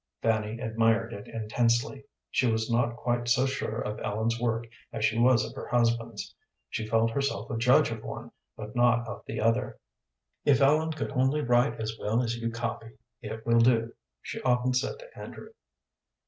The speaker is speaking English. Fanny admired it intensely. She was not quite so sure of Ellen's work as she was of her husband's. She felt herself a judge of one, but not of the other. "If Ellen could only write as well as you copy, it will do," she often said to Andrew.